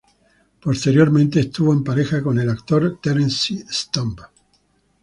Posteriormente estuvo en pareja con el actor Terence Stamp.